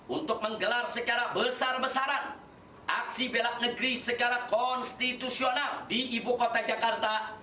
untuk menggelar jihad konstitusional dan mendiskualifikasi pasangan jokowi ma'ruf